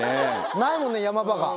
ないもんね、ヤマ場が。